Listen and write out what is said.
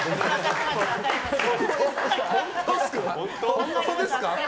本当ですか？